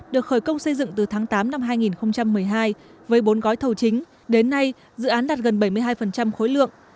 được khởi công xây dựng từ tháng tám năm hai nghìn một mươi hai với bốn gói thầu chính đến nay dự án đạt gần bảy mươi hai khối lượng